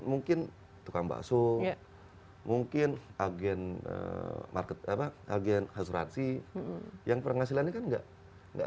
mungkin tukang bakso mungkin agen market apa agen asuransi yang penghasilannya kan enggak enggak